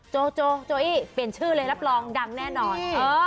โจโจอี้เปลี่ยนชื่อเลยรับรองดังแน่นอน